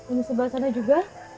ini sebelah sana juga